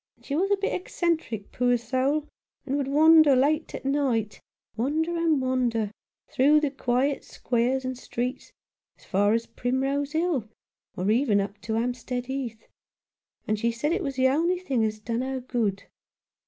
97 H Rough Justice. And she was a bit eccentric, poor soul, and would wander late of a night — wander and wander, through the quiet squares and streets, as far as Primrose Hill, or even up to Hampstead Heath, and she said it was the only thing as done her good.